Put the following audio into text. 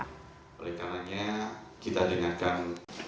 paling kalangnya kita dengarkan